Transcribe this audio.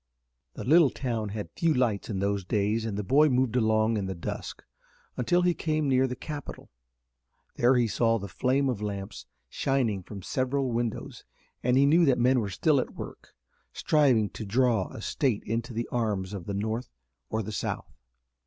The little town had few lights in those days and the boy moved along in the dusk, until he came near the Capitol. There he saw the flame of lamps shining from several windows, and he knew that men were still at work, striving to draw a state into the arms of the North or the South.